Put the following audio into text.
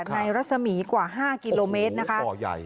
ในรัศมีกว่า๕กิโลเมตรนะคะโอ้โหเบาะใหญ่